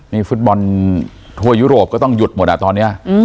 นี่ฟุตบอลทั่วยุโรปก็ต้องหยุดหมดอ่ะตอนนี้